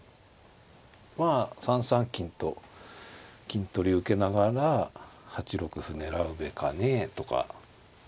まあ３三金と金取り受けながら８六歩狙うべかねえとか。